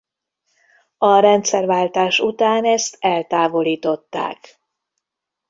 A rendszerváltás után ezt eltávolították.